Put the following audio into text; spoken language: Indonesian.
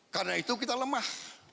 karena itu kita lemah